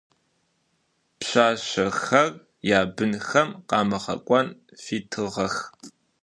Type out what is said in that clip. Пшъашъэхэр ябынхэм къамыгъэкӏон фитыгъэх.